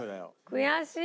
悔しい。